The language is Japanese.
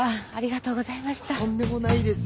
とんでもないです